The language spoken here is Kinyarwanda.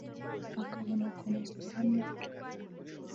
akabona gukomeza ubuhamya bwe